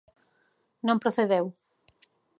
Non procedeu.